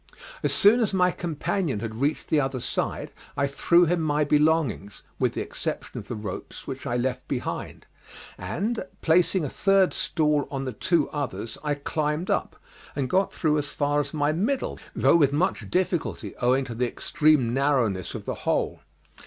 As soon as my companion had reached the other side I threw him my belongings, with the exception of the ropes, which I left behind, and placing a third stool on the two others, I climbed up, and got through as far as my middle, though with much difficulty, owing to the extreme narrowness of the hole.